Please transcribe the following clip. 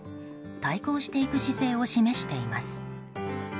対抗していく姿勢を示しています。